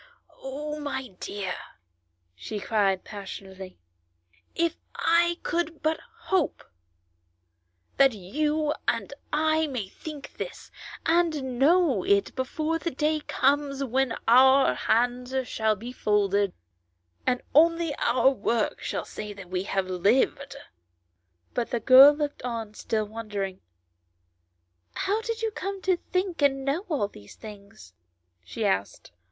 Oh ! my dear," she cried' passionately, " if I could but hope that you and I may think this, and know it before the day comes when our hands shall be folded, and only our work shall say that we have lived " But the girl looked on still wondering. " How did you come to think and know all these things ?" she asked.